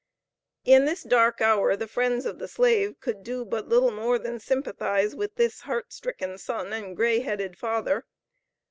In this dark hour the friends of the Slave could do but little more than sympathize with this heart stricken son and grey headed father.